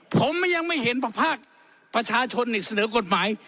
ผมยังไม่เห็นภาคประชาชนเสนอกฎหมาย